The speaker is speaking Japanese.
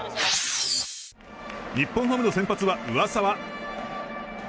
日本ハムの先発は上沢。